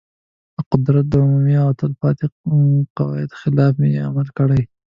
د قدرت د عمومي او تل پاتې قاعدې خلاف یې عمل کړی.